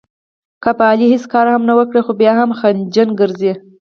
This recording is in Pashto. که په علي هېڅ کار هم ونه کړې، خو بیا هم خچن ګرځي.